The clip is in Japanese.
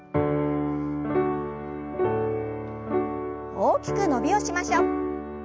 大きく伸びをしましょう。